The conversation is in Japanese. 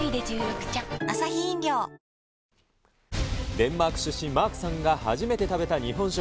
デンマーク出身、マークさんが初めて食べた日本食。